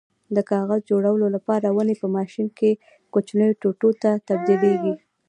د کاغذ جوړولو لپاره ونې په ماشین کې کوچنیو ټوټو ته تبدیلېږي.